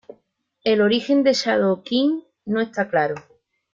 El origen de Shadow King no está claro.